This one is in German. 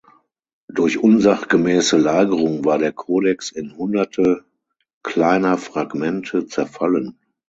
Durch unsachgemäße Lagerung war der Codex in hunderte kleiner Fragmente zerfallen.